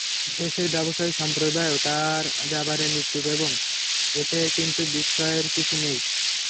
দেশের ব্যবসায়ী সম্প্রদায়ও তাঁর ব্যাপারে নিশ্চুপ এবং এতে কিন্তু বিস্ময়ের কিছু নেই।